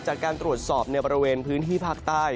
จากการตรวจสอบในบริเวณพื้นที่ภาคใต้